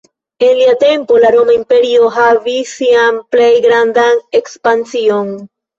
En lia tempo la Roma Imperio havis sian plej grandan ekspansion.